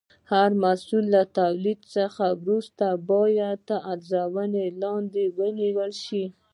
هر محصول له تولید څخه وروسته باید تر ارزونې لاندې ونیول شي.